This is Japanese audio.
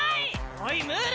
おいムール！